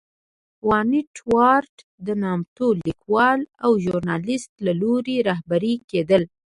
ونټ ورت د نامتو لیکوال او ژورنالېست له لوري رهبري کېدل.